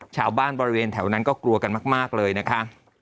ชาวบ้านบริเวณแถวนั้นก็กลัวกันมากเลยนะคะ